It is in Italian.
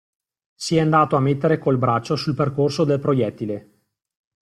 Si è andato a mettere col braccio sul percorso del proiettile.